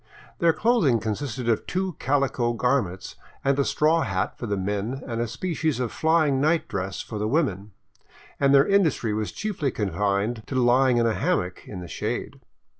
Their clothing consisted of two calico garments and a straw hat for the men and a species of flying night dress for the women ; and their industry was chiefly confined to lying in a hammock in the shade.